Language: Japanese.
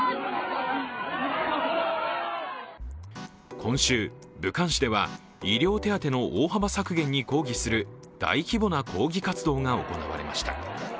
今週、武漢市では医療手当の大幅削減に抗議する大規模な抗議活動が行われました。